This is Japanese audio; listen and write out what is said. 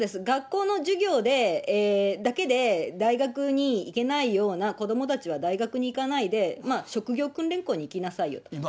学校の授業だけで大学に行けないような子どもたちは、大学に行かないで、職業訓練校に行きなさいよと。